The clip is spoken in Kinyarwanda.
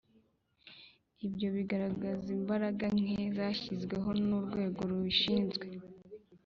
Ibyo bigaragaza imbaraga nke zashyizwemo n Urwego rubishinzwe